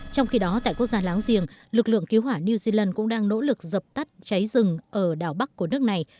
trong khi đó tại quốc gia láng giềng lực lượng cứu hỏa new zealand cũng đang nỗ lực dập tắt cháy rừng ở đảo bắc của nước này